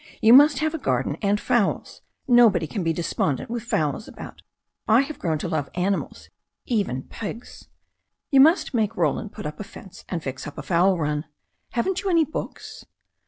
You must have a gar den and fowls. Nobody can be despondent with fowls about. I have grown to love animals, even pigs. You must make Roland put up a fence and fix up a fowl run. Haven't you any books?"